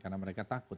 karena mereka takut